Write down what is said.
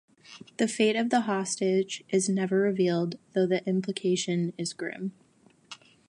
The fate of the hostage is never revealed, though the implication is grim.